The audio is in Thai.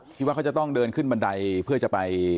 คิดว่าเขาจะต้องเดินขึ้นบันไดเพื่อจะไป